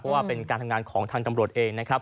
เพราะว่าเป็นการทำงานของทางตำรวจเองนะครับ